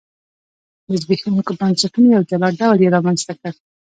د زبېښونکو بنسټونو یو جلا ډول یې رامنځته کړ.